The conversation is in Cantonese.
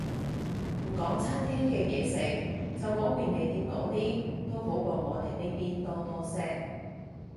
唔講餐廳嘅嘢食，就講便利店嗰啲，都好過我哋呢邊多多聲